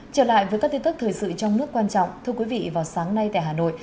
trở lại với các tin tức thời sự trong nước quan trọng thưa quý vị vào sáng nay tại hà nội